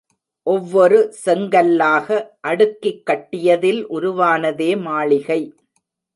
ஒவ்வொரு செங்கல்லாக அடுக்கிக் கட்டியதில் உருவானதே மாளிகை.